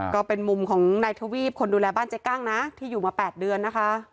ก็เป็นมุมของนายทวีปคนดูแลบ้านเจ๊กั้งนะที่อยู่มา๘เดือนนะคะ